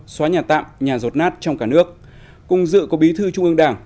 xóa nhà tạm nhà rột nát trong cả nước cùng dự có bí thư trung ương đảng